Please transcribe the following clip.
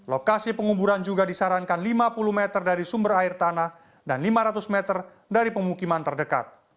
lokasi penguburan juga disarankan lima puluh meter dari sumber air tanah dan lima ratus meter dari pemukiman terdekat